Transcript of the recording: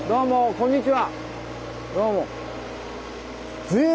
こんにちは。